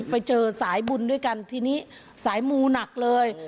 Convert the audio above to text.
ไปเจอสายบุญด้วยกันทีนี้สายมูหนักเลย